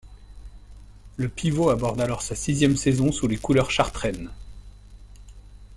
Le pivot aborde alors sa sixième saison sous les couleurs chartraines.